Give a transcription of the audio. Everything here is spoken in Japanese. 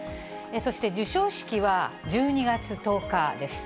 そして授賞式は１２月１０日です。